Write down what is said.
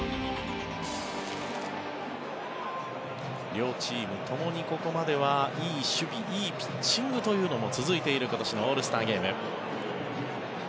両チームともにここまではいい守備いいピッチングというのも続いている今年のオールスターゲーム。